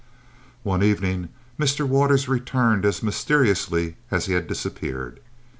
One evening Mr. Waters returned as mysteriously as he had disappeared.